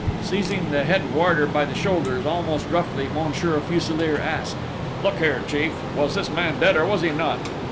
Seizing the head warder by the shoulders, almost roughly, Monsieur Fuselier asked: "Look here, chief, was this man dead, or was he not?"